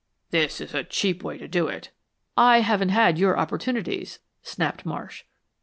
"This is a cheap way to do it." "I haven't had your opportunities," snapped Marsh.